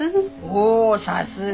おおさすが。